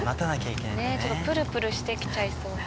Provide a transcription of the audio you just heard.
プルプルしてきちゃいそうな。